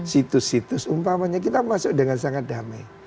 situs situs umpamanya kita masuk dengan sangat damai